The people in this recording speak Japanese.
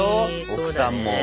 奥さんも。